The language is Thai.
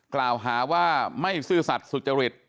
กล่าวหาว่าไม่ซื่อสัตว์สุจริต